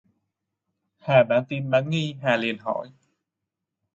hà Bán tín bán Nghi Hà liền hỏi